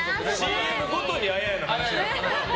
ＣＭごとにあややの話だった。